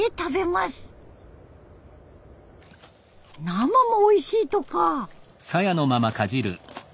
生もおいしいとか。